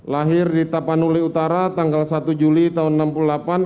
lahir di tapanuli utara tanggal satu juli tahun seribu sembilan ratus enam puluh delapan